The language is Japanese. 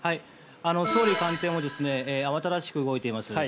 総理官邸も慌ただしく動いています。